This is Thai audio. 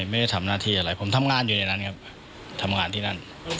ไม่ได้ทำหน้าที่อะไรผมทำงานอยู่ในนั้นครับทำงานที่นั่น